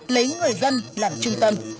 lấy người dân làm trung tâm